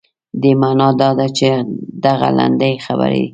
دې معنا دا ده چې دغه لنډې خبرې.